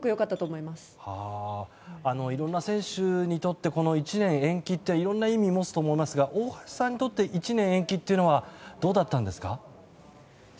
いろんな選手にとってこの１年延期っていろんな意味を持つと思いますが大橋さんにとって１年延期はどうだったんですか？